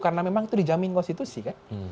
karena memang itu dijamin konstitusi kan